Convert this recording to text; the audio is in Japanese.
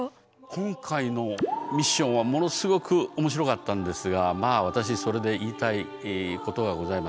今回のミッションはものすごく面白かったんですがまあ私それで言いたいことがございます。